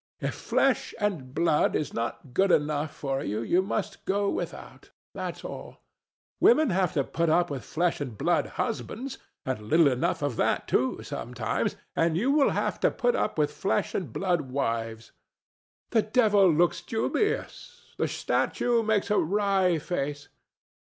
If flesh and blood is not good enough for you you must go without: that's all. Women have to put up with flesh and blood husbands and little enough of that too, sometimes; and you will have to put up with flesh and blood wives. The Devil looks dubious. The Statue makes a wry face.